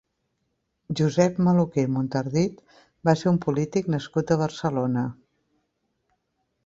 Josep Maluquer i Montardit va ser un polític nascut a Barcelona.